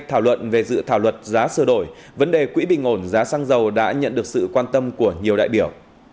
thảo luận về dự thảo luật giá sơ đổi vấn đề quỹ bình ổn giá xăng dầu đã nhận được sự quan tâm của nhiều đại biểu